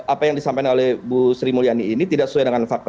apa yang disampaikan oleh bu sri mulyani ini tidak sesuai dengan fakta